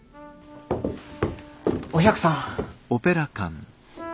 お百さん。